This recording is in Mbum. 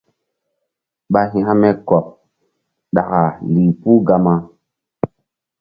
Ɓa hȩkme kɔk ɗaka lih puh Gama.